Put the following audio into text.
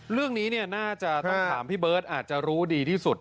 เรื่องนี้น่าจะต้องถามพี่เบิร์ตอาจจะรู้ดีที่สุด